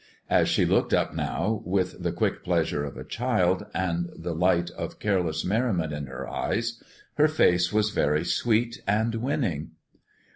As she looked up now, with the quick pleasure of a child, and the light of careless merriment in her eyes, her face was very sweet and winning.